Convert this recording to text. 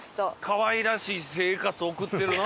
かわいらしい生活送ってるな。